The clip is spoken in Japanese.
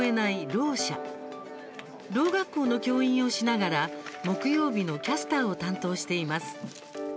ろう学校の教員をしながら木曜日のキャスターを担当しています。